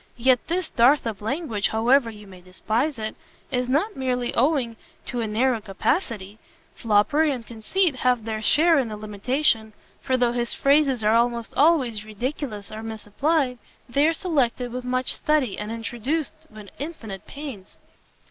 Yet this dearth of language, however you may despise it, is not merely owing to a narrow capacity: foppery and conceit have their share in the limitation, for though his phrases are almost always ridiculous or misapplied, they are selected with much study, and introduced with infinite pains."